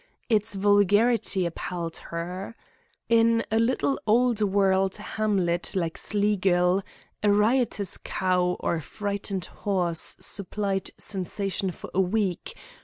Its vulgarity appalled her. In a little old world hamlet like Sleagill, a riotous cow or frightened horse supplied sensation for a week.